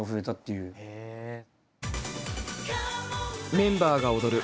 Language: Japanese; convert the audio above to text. メンバーが踊る